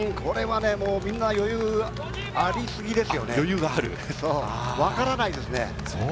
みんな余裕がありすぎですよね、分からないですね。